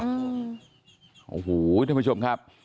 โอ้โหท่านผู้ชมครับ